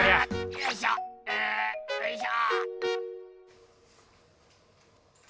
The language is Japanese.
よいしょうんよいしょ。